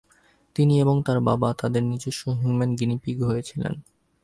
তিনি এবং তাঁর বাবা তাদের নিজস্ব "হিউম্যান গিনি পিগ" হয়েছিলেন।